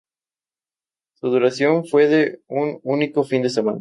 Su duración fue de un único fin de semana.